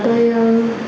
tôi mới xin mua bán ma túy